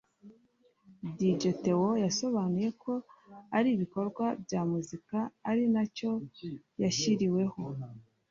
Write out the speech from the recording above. Dj Theo yasobanuye ko ari ibikorwa bya muzika ari nacyo yashyiriweho